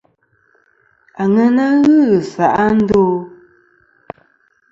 Aŋena ghɨ ghɨ se'a ndo ?